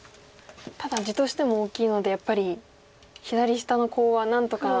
ただ地としても大きいのでやっぱり左下のコウは何とか。